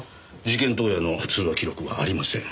事件当夜の通話記録はありません。